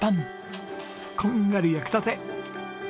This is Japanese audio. こんがり焼きたて！